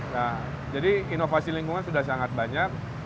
nah jadi inovasi lingkungan sudah sangat banyak